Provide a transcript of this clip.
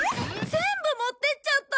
全部持ってっちゃった！